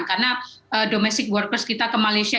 karena domestic workers kita ke malaysia